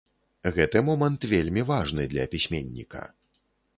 Гэты момант вельмі важны для пісьменніка.